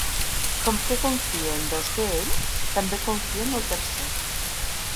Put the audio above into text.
Com que confio en dos d'ells, també confio en el tercer.